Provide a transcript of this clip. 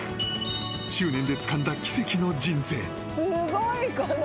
執念でつかんだ奇跡の人生。